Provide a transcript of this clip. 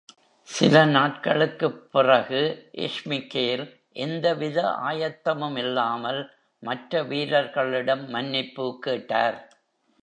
சில நாட்களுக்குப் பிறகு, Schmeichel எந்த வித ஆயத்தமுமில்லாமல் மற்ற வீரர்களிடம் மன்னிப்பு கேட்டார்.